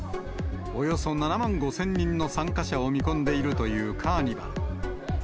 およそ７万５０００人の参加者を見込んでいるというカーニバル。